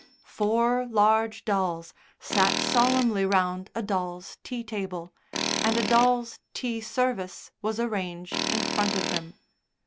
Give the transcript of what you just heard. Four large dolls sat solemnly round a dolls' tea table, and a dolls' tea service was arranged in front of them.